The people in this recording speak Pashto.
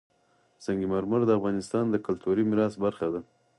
سنگ مرمر د افغانستان د کلتوري میراث برخه ده.